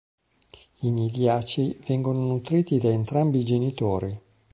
I nidiacei vengono nutriti da entrambi i genitori.